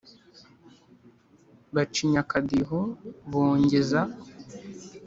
Bacinya akadiho bongeza